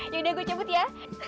yaudah gue cabut ya